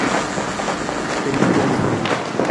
Plendinda junulino!